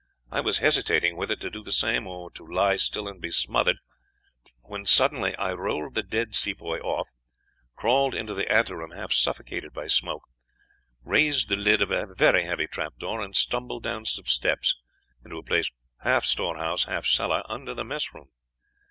I was hesitating whether to do the same or to lie still and be smothered, when suddenly I rolled the dead Sepoy off, crawled into the anteroom half suffocated by smoke, raised the lid of a very heavy trapdoor, and stumbled down some steps into a place, half storehouse half cellar, under the mess room.